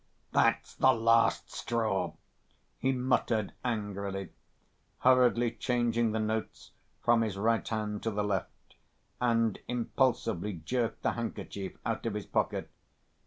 That's the last straw," he muttered angrily, hurriedly changing the notes from his right hand to the left, and impulsively jerked the handkerchief out of his pocket.